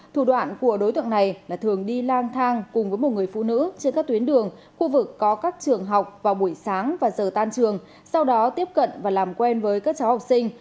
thủ đoạn của đối tượng này là thường đi lang thang cùng với một người phụ nữ trên các tuyến đường khu vực có các trường học vào buổi sáng và giờ tan trường sau đó tiếp cận và làm quen với các cháu học sinh